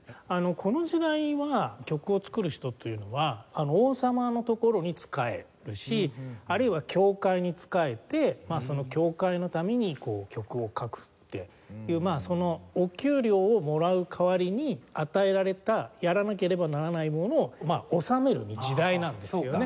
この時代は曲を作る人というのは王様のところに仕えるしあるいは教会に仕えてその教会のために曲を書くっていうまあそのお給料をもらう代わりに与えられたやらなければならないものを納める時代なんですよね。